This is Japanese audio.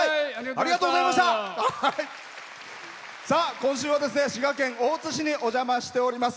今週は滋賀県大津市にお邪魔しております。